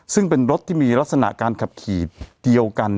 ซึ่งเป็นรถที่มีลักษณะการขับขี่เดียวกัน